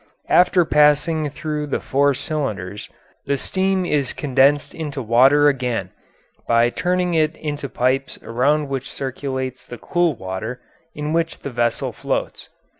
After passing through the four cylinders, the steam is condensed into water again by turning it into pipes around which circulates the cool water in which the vessel floats.